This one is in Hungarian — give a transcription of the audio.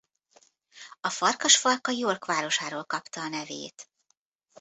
A farkasfalka York városáról kapta a nevét.